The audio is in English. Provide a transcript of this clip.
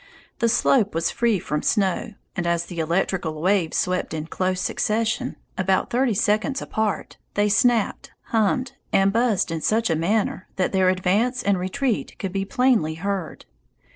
The slope was free from snow, and as the electrical waves swept in close succession, about thirty seconds apart, they snapped, hummed, and buzzed in such a manner that their advance and retreat could be plainly heard.